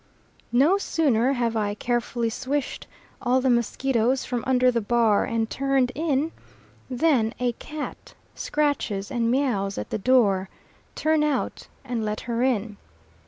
No sooner have I carefully swished all the mosquitoes from under the bar and turned in, than a cat scratches and mews at the door turn out and let her in.